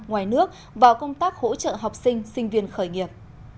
ngoài nước vào công tác hỗ trợ học sinh sinh viên khởi nghiệp